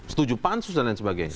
setuju pansus dan lain sebagainya